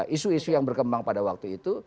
isu isu yang berkembang pada waktu itu